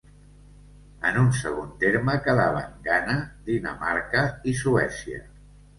En un segon terme, quedaven Ghana, Dinamarca i Suècia.